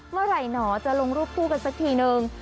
เมื่อไหร่หนอจะลงรูปคู่กันสักทีนึง